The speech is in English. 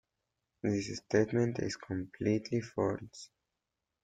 This statement is completely false.